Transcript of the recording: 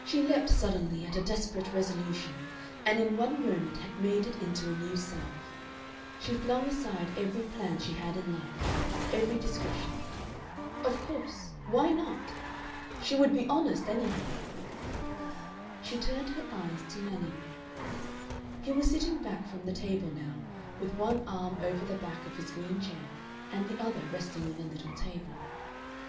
She leaped suddenly at a desperate resolution, and in one moment had made it into a new self. She flung aside every plan she had in life, every discretion. Of course, why not? She would be honest, anyhow! She turned her eyes to Manning. He was sitting back from the table now, with one arm over the back of his green chair and the other resting on the little table.